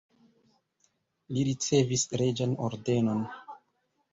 Li ricevis reĝan ordenon.